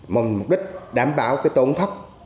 một mục đích đảm bảo tổn thất